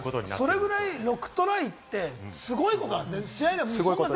それぐらい６トライってすごいことなんですね。